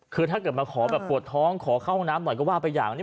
คือถ้าเกิดมาขอแบบปวดท้องขอเข้าห้องน้ำหน่อยก็ว่าไปอย่างนี้